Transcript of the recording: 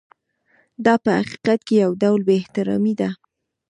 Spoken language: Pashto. دا په حقیقت کې یو ډول بې احترامي ده.